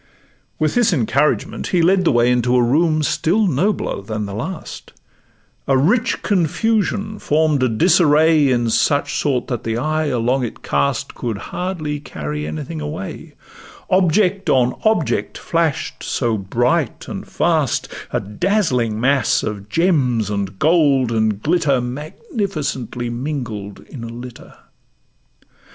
With this encouragement, he led the way Into a room still nobler than the last; A rich confusion form'd a disarray In such sort, that the eye along it cast Could hardly carry anything away, Object on object flash'd so bright and fast; A dazzling mass of gems, and gold, and glitter, Magnificently mingled in a litter.